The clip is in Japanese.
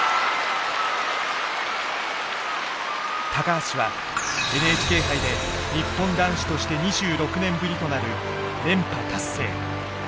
橋はＮＨＫ杯で日本男子として２６年ぶりとなる連覇達成。